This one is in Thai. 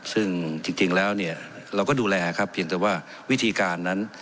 ซึ่งจริงแล้วเนี่ยเราก็ดูแลครับเพียงแต่ว่าวิธีการนั้น